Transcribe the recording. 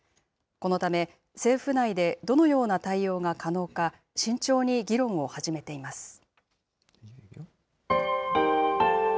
このため、政府内でどのような対応が可能か、慎重に議論を始めています。